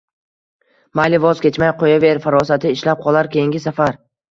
Mayli voz kechmay qo‘yaver, farosati ishlab qolar keyingi safar